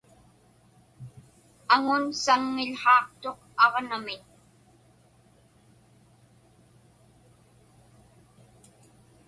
Aŋun saŋŋił̣haaqtuq aġnamiñ.